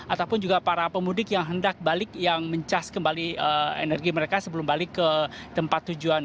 ataupun juga para pemudik yang hendak balik yang mencas kembali energi mereka sebelum balik ke tempat tujuan